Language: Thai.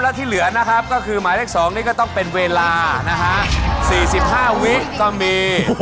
แล้วที่เหลือนะครับก็คือหมายเลข๒นี่ก็ต้องเป็นเวลานะฮะ๔๕วิก็มี